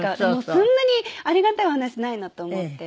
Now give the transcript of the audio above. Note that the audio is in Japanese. そんなにありがたいお話ないなと思って。